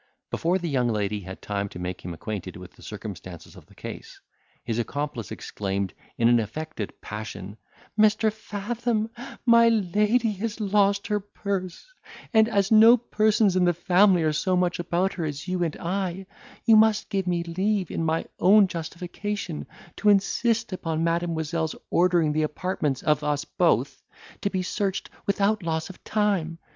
Before the young lady had time to make him acquainted with the circumstances of the case, his accomplice exclaimed, in an affected passion, "Mr. Fathom, my lady has lost her purse; and, as no persons in the family are so much about her as you and I, you must give me leave, in my own justification, to insist upon Mademoiselle's ordering the apartments of us both to be searched without loss of time.